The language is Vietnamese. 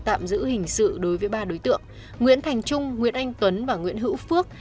tạm giữ hình sự đối với ba đối tượng nguyễn thành trung nguyễn anh tuấn và nguyễn hữu phước